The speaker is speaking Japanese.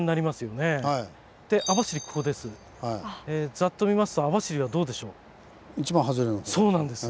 ざっと見ますと網走はどうでしょう？